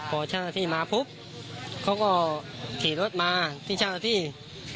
พอชั่วโมงเกริกพันธุ์มาปุ๊บเขาก็ถี่รถมาที่ชั่วโมงเกริกพันธุ์